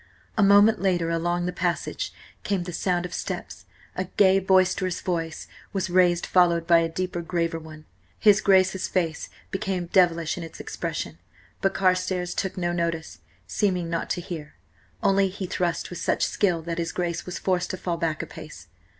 A moment later along the passage came the sound of steps; a gay, boisterous voice was raised, followed by a deeper, graver one. His Grace's face became devilish in its expression, but Carstares took no notice, seeming not to hear. Only he thrust with such skill that his Grace was forced to fall back a pace.